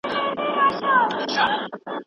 هغه څوک چي درس لولي بريالی کيږي.